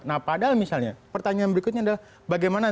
nah padahal misalnya pertanyaan berikutnya adalah bagaimana